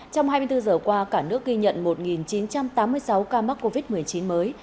trong hai mươi bốn giờ qua cả nước ghi nhận một chín trăm tám mươi sáu ca mắc covid một mươi chín mới